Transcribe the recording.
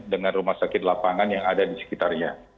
dengan rumah sakit lapangan yang ada di sekitarnya